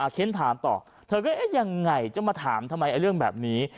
เค้นถามต่อเธอก็เอ๊ะยังไงจะมาถามทำไมเรื่องแบบนี้